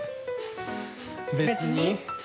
別に。